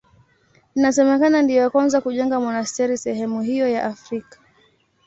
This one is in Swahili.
Inasemekana ndiye wa kwanza kujenga monasteri sehemu hiyo ya Afrika.